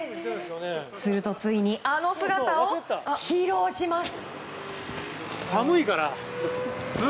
すると、ついにあの姿を披露します。